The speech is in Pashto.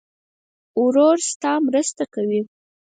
ورور ستا مرسته کوي.